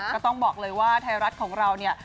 ก็ต้องบอกเลยว่าไทยรัฐของเราเนี่ย